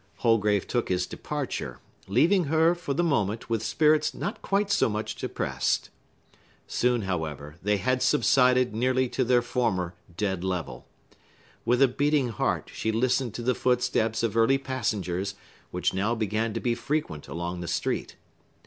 Holgrave took his departure, leaving her, for the moment, with spirits not quite so much depressed. Soon, however, they had subsided nearly to their former dead level. With a beating heart, she listened to the footsteps of early passengers, which now began to be frequent along the street.